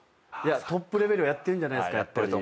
トップレベルはやってんじゃないですか。